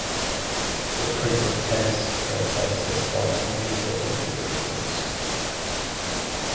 "The Prince of Tennis" franchise has spawned many different video games.